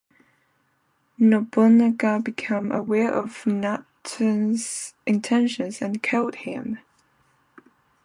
Nobunaga became aware of Naotsune's intentions, and killed him.